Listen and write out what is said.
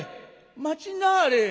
待ちなはれ。